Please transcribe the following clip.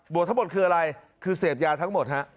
ทั้งหมดคืออะไรคือเสพยาทั้งหมดฮะ